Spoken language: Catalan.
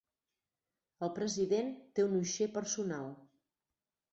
El president té un uixer personal.